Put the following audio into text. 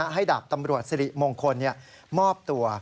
ดาบตำรวจสิริมงคลมอบตัว